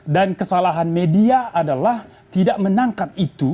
dan kesalahan media adalah tidak menangkap itu